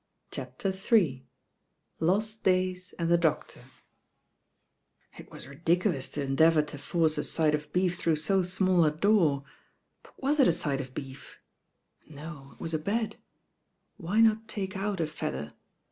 CHAPTER III LOST DAYS AND THE DOCTOR IT was ridiculous to endeavour to force a side of beef through so small a door; but was it a side of bcef? No, it was a bed. Why not take out a feather?